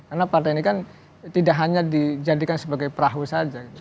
karena partai ini kan tidak hanya dijadikan sebagai perahu saja